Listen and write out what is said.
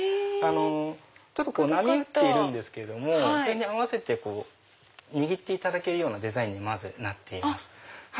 ちょっと波打っているんですけどもそれに合わせて握っていただけるデザインになっています。